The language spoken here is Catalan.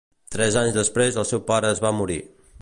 Tres anys després el seu pare es va morir.